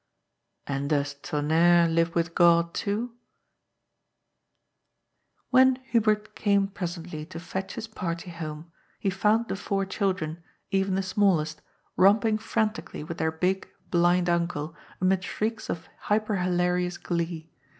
" And does Tonnerre live with God too ?" When Hubert came presently to fetch his party home, he found the four children, even the smallest, romping frantically with their big, blind uncle amid shrieks of hyperhilarious glee.